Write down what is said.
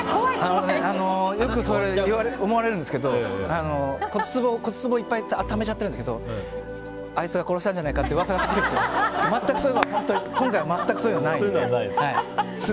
よく、それ思われるんですけど骨壺、いっぱいためちゃっているんですけどあいつが殺したんじゃないかと言われるんですけど今回は全くそういうのはないです。